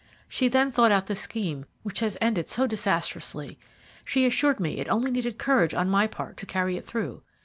She then thought out the scheme which has ended so disastrously. She assured me it only needed courage on my part to carry it through.